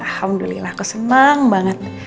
alhamdulillah aku seneng banget